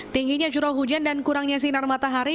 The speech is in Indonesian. tingginya curah hujan dan kurangnya sinar matahari